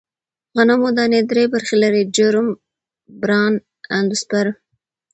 غنمو دانې درې برخې لري: جرم، بران، اندوسپرم.